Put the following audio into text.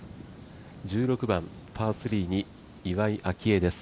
１６番パー３に岩井明愛です。